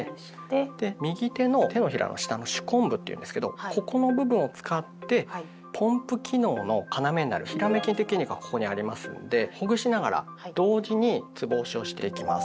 右手の手のひらの下の手根部っていうんですけどここの部分を使ってポンプ機能の要になるヒラメ筋っていう筋肉がここにありますんでほぐしながら同時につぼ押しをしていきます。